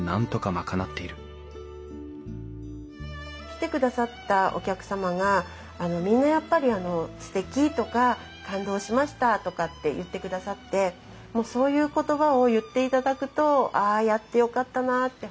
来てくださったお客様がみんなやっぱりすてきとか感動しましたとかって言ってくださってそういう言葉を言っていただくとああやってよかったなって